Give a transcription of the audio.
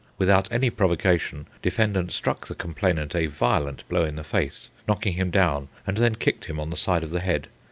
Without any provocation, defendant struck the complainant a violent blow in the face, knocking him down, and then kicked him on the side of the head.